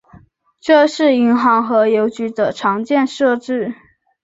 这是银行和邮局的常见设置。